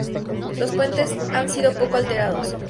Los puentes han sido poco alterados.